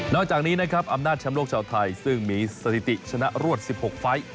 จากนี้นะครับอำนาจแชมป์โลกชาวไทยซึ่งมีสถิติชนะรวด๑๖ไฟล์